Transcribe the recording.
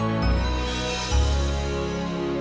ya pak pak pakinya hilang betul